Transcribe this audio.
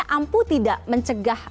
tampu tidak mencegah